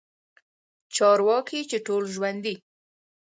چارواکي چې ټول ژوندي